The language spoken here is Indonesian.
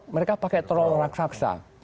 mereka pakai troll raksasa